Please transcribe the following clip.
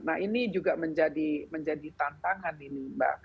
nah ini juga menjadi tantangan ini mbak